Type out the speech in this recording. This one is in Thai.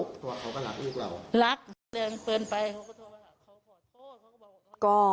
เขาก็หลักลูกเรา